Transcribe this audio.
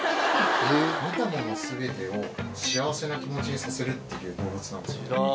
見た者すべてを幸せな気持ちにさせるっていう動物なんですよ。